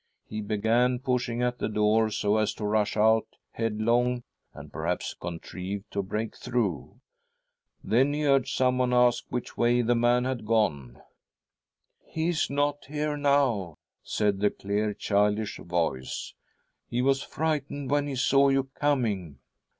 He began pushing at the door, so as to rush out head long and, perhaps, contrive to break thrbugh. Then he heard someone ask which way the man had gone. ' He is not here now,' said the clear childish voice; 'he was frightened when he saw you coming.'